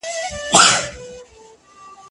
ځينې سيمې يې تر خپلې حمايې لاندې ونيولې.